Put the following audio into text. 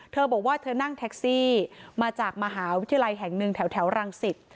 เธอบอกว่าเธอนั่งแท็กซี่มาจากมหาวิทยาลัยแห่งหนึ่งแถวรังสิต